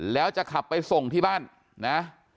แล้วจะขับไปส่งที่บ้านนะ